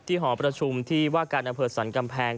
ที่หอประชุมที่ว่าการอเผิดสันกำแพง